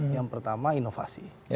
yang pertama inovasi